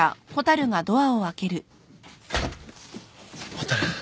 蛍。